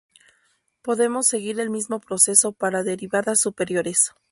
Podemos seguir el mismo proceso para derivadas superiores.